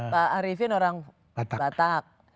pak arifin orang batak